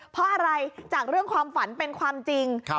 เพราะอะไรจากเรื่องความฝันเป็นความจริง